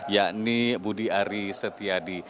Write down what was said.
yakni budi ari setiadi